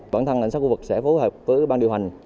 bản thân lãnh sát khu vực sẽ phối hợp với bang điều hành